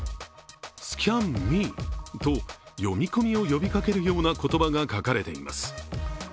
「ＳＣＡＮＭＥ」と読み込みを呼びかけるような言葉が書かれています。